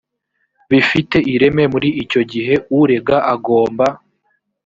bifite ireme muri icyo gihe urega agomba